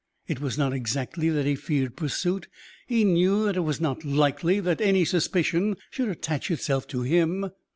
It was not exactly that he feared pursuit he knew that it was not likely that any suspicion should attach itself to him.